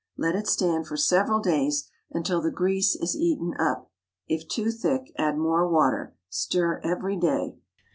Let it stand for several days until the grease is eaten up. If too thick, add more water. Stir every day.